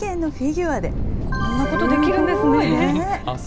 こんなことできるんですね。